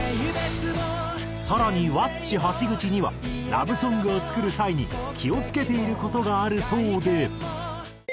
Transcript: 更にｗａｃｃｉ橋口にはラブソングを作る際に気を付けている事があるそうで。